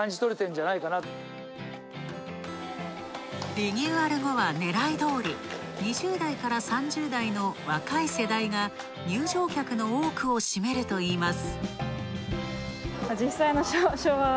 リニューアル後は狙い通り、２０代から３０代の若い世代が入場客の多くを占めるといいます。